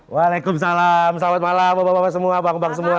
waalaikumsalam selamat malam bapak bapak semua bang bang semua